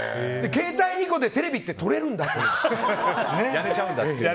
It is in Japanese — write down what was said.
携帯２個でテレビって撮れるんだと思って。